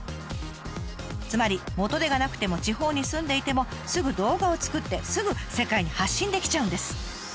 つまり元手がなくても地方に住んでいてもすぐ動画を作ってすぐ世界に発信できちゃうんです。